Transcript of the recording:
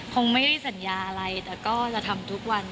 คงไม่ได้สัญญาอะไรแต่ก็จะทำทุกวัน